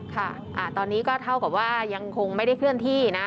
ค่ะตอนนี้ก็เท่ากับว่ายังคงไม่ได้เคลื่อนที่นะ